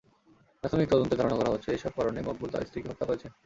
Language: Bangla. প্রাথমিক তদন্তে ধারণা করা হচ্ছে, এসব কারণে মকবুল তাঁর স্ত্রীকে হত্যা করেছেন।